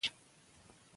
دا یو مهم تاریخي بحث دی.